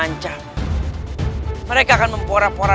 apa yang kamu lakukan sharing app atau